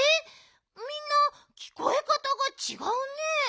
みんなきこえかたがちがうね。